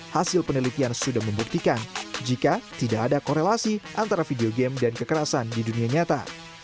hasil penelitian sudah membuktikan jika tidak ada korelasi antara video game dan kekerasan di dunia nyata